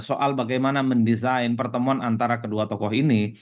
soal bagaimana mendesain pertemuan antara kedua tokoh ini